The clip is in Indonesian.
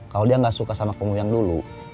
kalau dia nggak suka sama kamu yang dulu